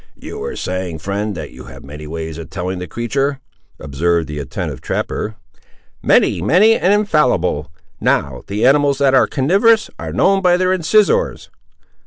"You were saying, friend, that you have many ways of telling the creatur'?"—observed the attentive trapper. "Many; many and infallible. Now, the animals that are carnivorous are known by their incisores."